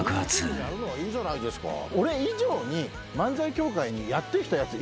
俺以上に漫才協会にやってきたやついるのか。